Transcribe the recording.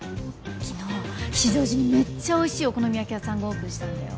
昨日吉祥寺にめっちゃおいしいお好み焼き屋さんがオープンしたんだよ